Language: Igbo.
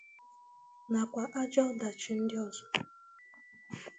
nakwa ajọ ọdachi ndị ọzọ.